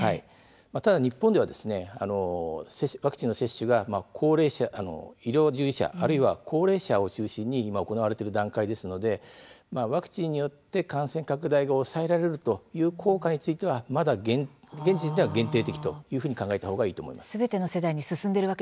ただ日本ではワクチンの接種が医療従事者や高齢者を中心に行われている段階ですのでワクチンによって、感染拡大が抑えられるという効果については現時点では限定的と考えたほうがいいと思います。